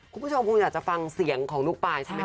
คุณผู้ชมคงอยากจะฟังเสียงของลูกปลายใช่ไหมค